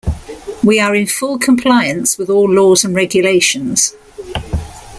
We are in full compliance with all laws and regulations.